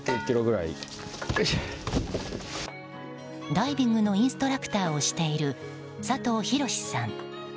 ダイビングのインストラクターをしている佐藤寛志さん。